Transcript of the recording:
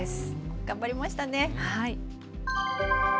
頑張りましたね。